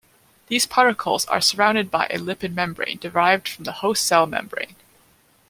These particles are surrounded by a lipid membrane derived from the host cell membrane.